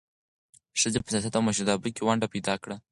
ښځې په سیاست او مشرتابه کې ونډه پیدا کړه.